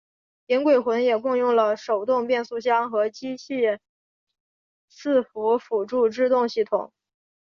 银鬼魂也共用了手动变速箱和机械伺服辅助制动系统。